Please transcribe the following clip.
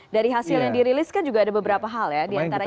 dari hasil yang dirilis kan juga ada beberapa hal ya diantaranya